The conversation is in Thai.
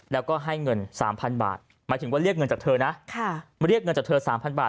เราก็ให้เงิน๓๐๐๐บาทหมายถึงว่าเรียกเงินจากเธอนะ